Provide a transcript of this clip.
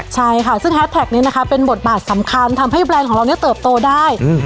ใช่ค่ะซึ่งแฮสแท็กนี้นะคะเป็นบทบาทสำคัญทำให้แบรนด์ของเราเนี่ยเติบโตได้